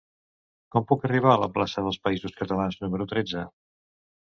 Com puc arribar a la plaça dels Països Catalans número tretze?